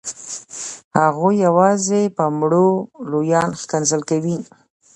هغوی یوازې په مړو لویان ښکنځل کوي.